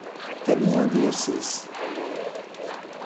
Tenir el dia sis.